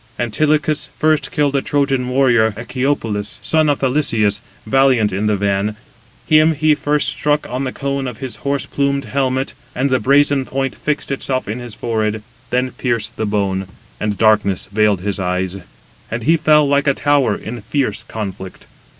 Antilochus first killed a Trojan warrior, Echepolus, son of Thalysias, valiant in the van. Him he first struck on the cone of his horse plumed helmet, and the brazen point fixed itself in his forehead, then pierced the bone, and darkness veiled his eyes; and he fell, like a tower, in fierce conflict.